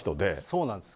そうなんです。